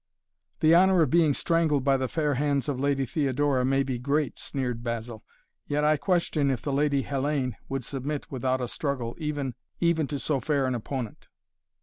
"The honor of being strangled by the fair hands of the Lady Theodora may be great," sneered Basil. "Yet I question if the Lady Hellayne would submit without a struggle even to so fair an opponent."